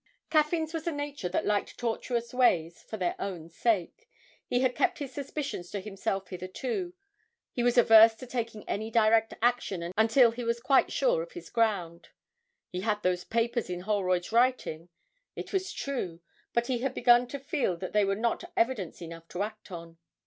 Caffyn's was a nature that liked tortuous ways for their own sake; he had kept his suspicions to himself hitherto, he was averse to taking any direct action until he was quite sure of his ground. He had those papers in Holroyd's writing, it was true, but he had begun to feel that they were not evidence enough to act on.